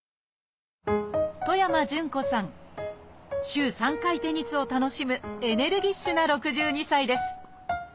週３回テニスを楽しむエネルギッシュな６２歳です